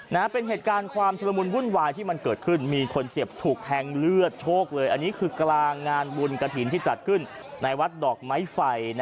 นะฮะเป็นเหตุการณ์ความชุดละมุนวุ่นวายที่มันเกิดขึ้นมีคนเจ็บถูกแทงเลือดโชคเลยอันนี้คือกลางงานบุญกระถิ่นที่จัดขึ้นในวัดดอกไม้ไฟ